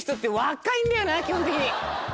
基本的に。